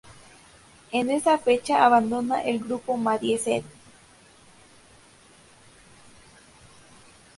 En esa fecha abandona el grupo Mediaset.